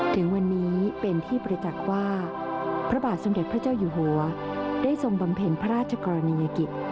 ถึงวันนี้เป็นที่ประจักษ์ว่าพระบาทสมเด็จพระเจ้าอยู่หัวได้ทรงบำเพ็ญพระราชกรณียกิจ